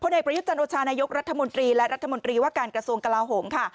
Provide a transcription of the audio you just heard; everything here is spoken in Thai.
พอในประยุทธจันทร์โอชารายกรรธมนตรีและรัฐมนตรีว่าการกระทรวงกลาวหงค์ค่ะ